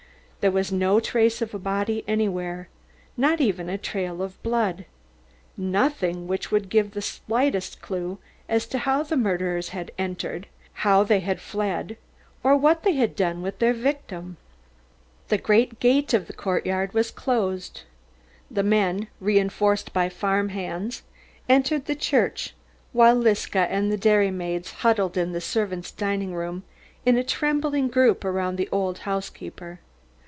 There was no trace of a body anywhere, not even a trail of blood, nothing which would give the slightest clue as to how the murderers had entered, how they had fled, or what they had done with their victim. The great gate of the courtyard was closed. The men, reinforced by the farm hands, entered the church, while Liska and the dairy maids huddled in the servants' dining room in a trembling group around the old housekeeper.